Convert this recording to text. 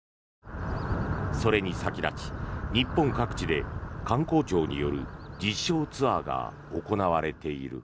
それに先立ち、日本各地で観光庁による実証ツアーが行われている。